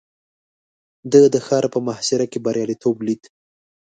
ده د ښار په محاصره کې برياليتوب ليد.